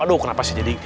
aduh kenapa sih jadi